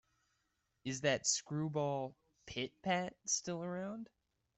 Is that screwball Pit-Pat still around?